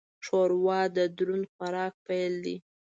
ښوروا د دروند خوراک پیل دی.